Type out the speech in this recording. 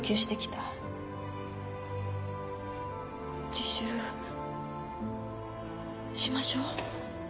自首しましょう